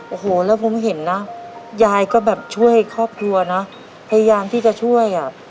โอ้โหแล้วผมเห็นนะยายก็แบบช่วยครอบครัวนะพยายามที่จะช่วยอ่ะ